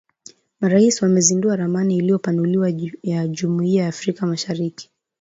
Marais wamezindua ramani iliyopanuliwa ya Jumuiya ya Afrika Mashariki